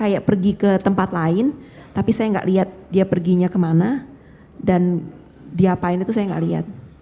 lalu dia pergi ke tempat lain tapi saya tidak lihat dia perginya kemana dan diapain itu saya tidak lihat